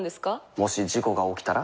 もし事故が起きたら？